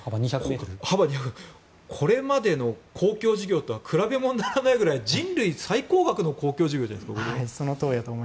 これまでの公共事業とは比べ物にならないぐらい人類最高額の公共事業じゃないですか。